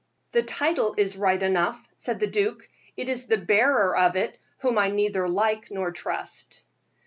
"The title is right enough," said the duke; "it is the bearer of it whom I neither like nor trust."